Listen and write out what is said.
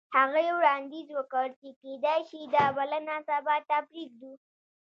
هغې وړاندیز وکړ چې کیدای شي دا بلنه سبا ته پریږدو